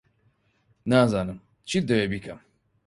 نازانم چیت دەوێت بیکەم.